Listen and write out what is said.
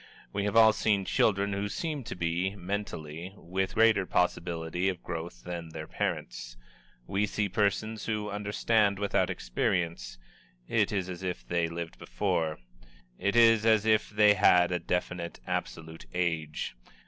We have all seen children who seem to be, mentally, with greater possibility of growth than their parents. We see persons who understand without experience. It is as if they had lived before. It is as if they had a definite Absolute Age.